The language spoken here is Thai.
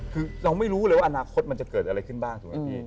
คือเราไม่รู้เลยว่าอนาคตมันจะเกิดอะไรขึ้นบ้าง